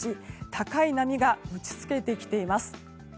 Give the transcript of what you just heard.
高い波が打ち付けてきています。